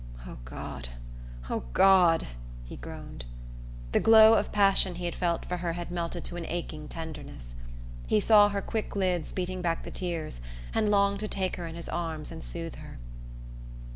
"Oh, God oh, God," he groaned. The glow of passion he had felt for her had melted to an aching tenderness. He saw her quick lids beating back the tears, and longed to take her in his arms and soothe her.